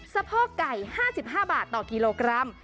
สะโพกไก่๕๕บาทต่อกิโลกรัม